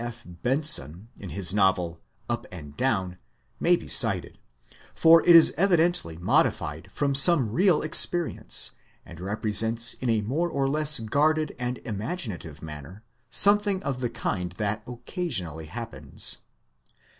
F. Benson in his novel Up and Down may be cited, for it is evidently modi fied from some real experience and represents in a more or less guarded and imaginative manner something of the kind that occasionally happens.